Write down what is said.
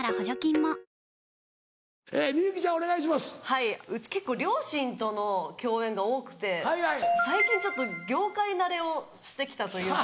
はいうち結構両親との共演が多くて最近業界慣れをしてきたというか。